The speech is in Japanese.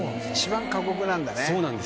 一番過酷なんだね。